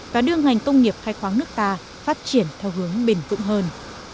và đương hành công nghiệp khai khoáng nước ta phát triển theo hướng bền vững hơn